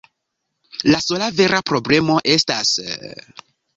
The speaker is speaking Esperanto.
La sola vera problemo estas...